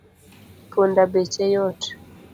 Punda beche yot